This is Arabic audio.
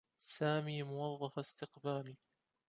سامي موظف استقبال.